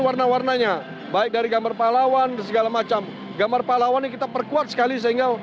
warna warnanya baik dari gambar pahlawan segala macam gambar pahlawan yang kita perkuat sekali sehingga